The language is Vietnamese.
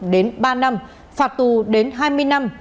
đến ba năm phạt tù đến hai mươi năm